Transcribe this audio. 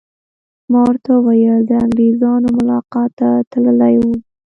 ما ورته وویل: د انګریزانو ملاقات ته تللی وم.